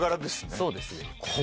そうですね。